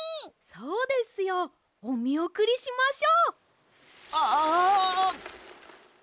そうですよ。おみおくりしましょう！ああ。